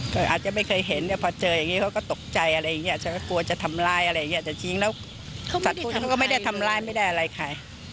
ก็อาจจะไม่เคยเห็นแต่พอเจออย่างนี้เขาก็ตกใจอะไรอย่างเงี้ฉันก็กลัวจะทำร้ายอะไรอย่างเงี้แต่จริงแล้วสัตว์พุทธเขาก็ไม่ได้ทำร้ายไม่ได้อะไรใคร